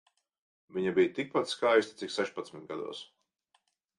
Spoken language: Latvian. Viņa bija tikpat skaista cik sešpadsmit gados.